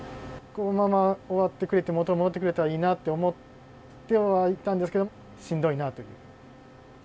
このまま終わってくれて、元戻ってくれたらいいなとは思っていたんですけれども、しんどいなと。